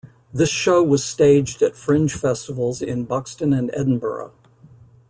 This show was staged at fringe festivals in Buxton and Edinburgh.